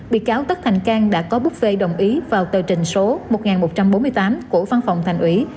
bị cáo tất thành cang đã có bức vệ đồng ý vào tờ trình số một nghìn một trăm bốn mươi tám của phân phòng thành ủy